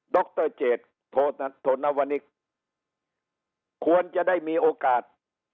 รเจตโธนวนิกควรจะได้มีโอกาส